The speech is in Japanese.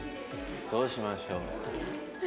どうしましょう？